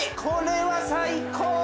これは最高！